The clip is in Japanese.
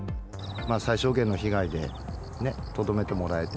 最小限の被害でとどめてもらえて。